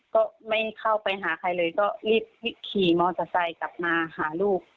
ก็ไม่เข้าไปหาใครเลยก็รีบขี่มอเตอร์ไซค์กลับมาหาลูก